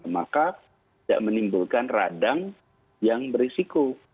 maka tidak menimbulkan radang yang berisiko